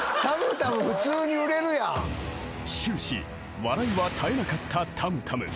［終始笑いは絶えなかったたむたむ］